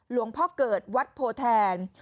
หลวงพ่อเกิดวัดโพแทน